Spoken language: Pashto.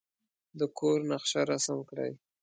د کور نقشه رسم کړئ.